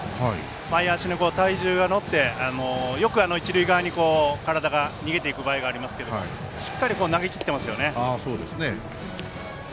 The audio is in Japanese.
前足に体重が乗ってよく、一塁側に体が逃げていく場合がありますがしっかり投げ切ってますよね。